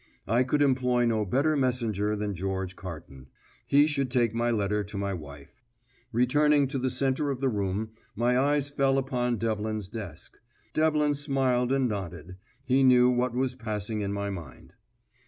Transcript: I could employ no better messenger than George Carton; he should take my letter to my wife. Returning to the centre of the room, my eyes fell upon Devlin's desk. Devlin smiled and nodded; he knew what was passing in my mind.